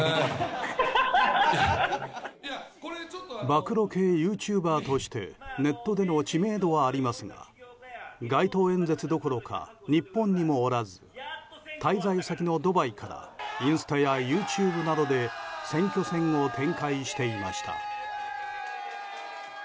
暴露系ユーチューバーとしてネットでの知名度はありますが街頭演説どころか日本にもおらず滞在先のドバイからインスタやＹｏｕＴｕｂｅなどで選挙戦を展開していました。